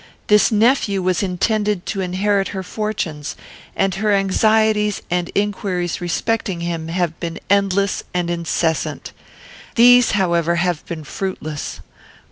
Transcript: This nephew was intended to inherit her fortunes, and her anxieties and inquiries respecting him have been endless and incessant. These, however, have been fruitless.